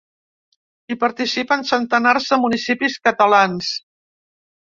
Hi participen centenars de municipis catalans.